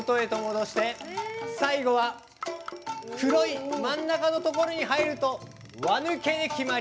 最後は、黒い真ん中のところに入ると輪抜けに決まり。